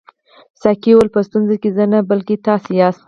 ساقي وویل په ستونزه کې زه نه بلکې تاسي یاست.